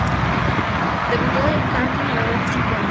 Debutó en el karting a la edad de cinco años.